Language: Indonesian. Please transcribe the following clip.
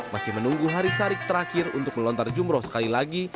masih menunggu hari syarik terakhir untuk melontar jumroh sekali lagi